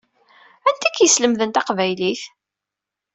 Anta i k-yeslemden taqbaylit?